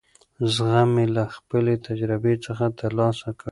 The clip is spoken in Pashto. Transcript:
زغم مې له خپلې تجربې څخه ترلاسه کړ.